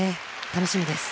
楽しみです